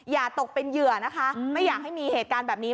อย่าตกเป็นเหยื่อนะคะไม่อยากให้มีเหตุการณ์แบบนี้